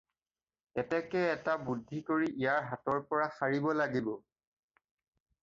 এতেকে এটা বুদ্ধি কৰি ইয়াৰ হাতৰ পৰা সাৰিব লাগিব।